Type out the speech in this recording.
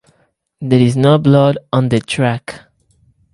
There is no blood on the track.